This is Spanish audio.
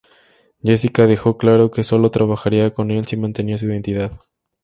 Jessica dejó claro que solo trabajaría con el si mantenía su identidad.